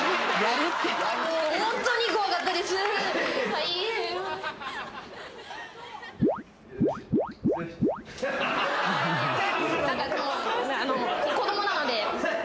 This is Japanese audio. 子供なので。